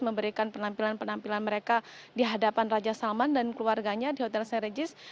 memberikan penampilan penampilan mereka di hadapan raja salman dan keluarganya di hotel st regis